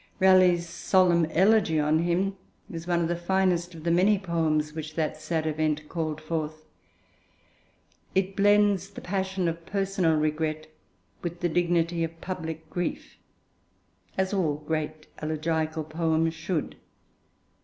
Raleigh's solemn elegy on him is one of the finest of the many poems which that sad event called forth. It blends the passion of personal regret with the dignity of public grief, as all great elegiacal poems should.